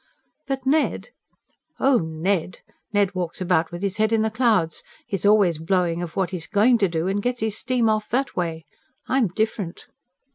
"But Ned " "Oh, Ned! Ned walks about with his head in the clouds. He's always blowing of what he's GOING to do, and gets his steam off that way. I'm different."